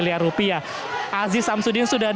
lampu lampu lampu